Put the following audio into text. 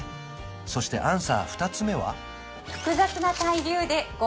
そしてアンサー２つ目は？